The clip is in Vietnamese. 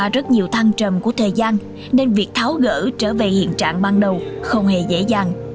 qua rất nhiều thăng trầm của thời gian nên việc tháo gỡ trở về hiện trạng ban đầu không hề dễ dàng